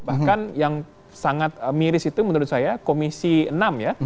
bahkan yang sangat miris itu menurut saya komisi enam ya